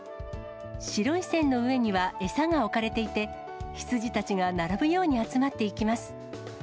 白い線の上には、餌が置かれていて、羊たちが並ぶように集まっていきます。